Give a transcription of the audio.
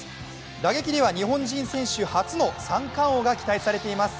打撃では日本人選手初の三冠王が期待されています。